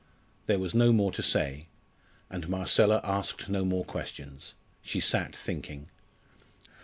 There was no more to say, and Marcella asked no more questions she sat thinking.